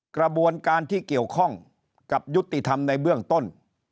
กระบวนการที่เกี่ยวข้องกับยุติธรรมในเบื้องต้น